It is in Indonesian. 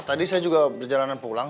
tadi saya juga berjalanan pulang